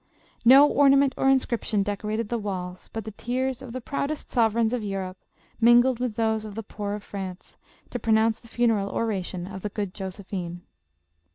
" No ornament or inscription decorated the walls, but the tears of the proudest sovereigns of Europe, mingled with those of the poor of France, to pronounce the funeral oration of the good Josephine."